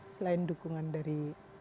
selain dukungan dari